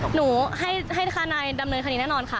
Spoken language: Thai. หนูให้ข้านายดำเนินอ่ะนี่แน่นอนค่ะ